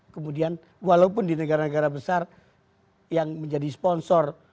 kemudian walaupun di negara negara besar yang menjadi sponsor